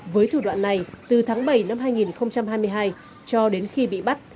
với thủ đoạn này từ tháng bảy năm hai nghìn hai mươi hai cho đến khi bị bắt